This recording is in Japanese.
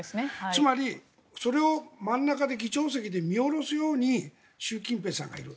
つまり、それを真ん中で議長席で見下ろすように習近平さんがいる。